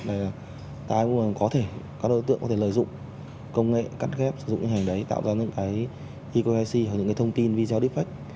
đấy là ta có thể các đối tượng có thể lợi dụng công nghệ cắt ghép sử dụng hình ảnh đấy tạo ra những cái eqic hoặc những cái thông tin video defect